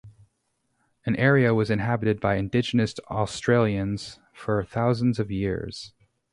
The area was inhabited by indigenous Australians for thousands of years.